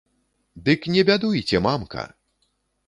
Дык не бядуйце, мамка!